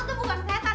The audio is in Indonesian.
aku tuh bukan setan